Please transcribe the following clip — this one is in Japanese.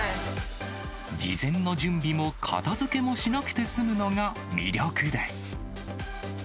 事前の準備も片づけもしなくて済むのが魅力です。